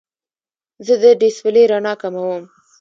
زه د ډیسپلې رڼا کموم.